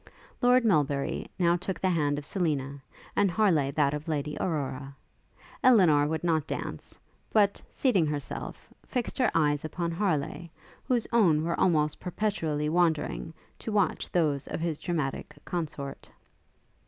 Lord Melbury now took the hand of Selina, and Harleigh that of Lady Aurora. Elinor would not dance, but, seating herself, fixed her eyes upon Harleigh, whose own were almost perpetually wandering to watch those of his dramatic consort.